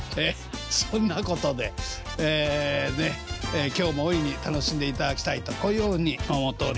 そんなことで今日も大いに楽しんでいただきたいとこういうふうに思っております。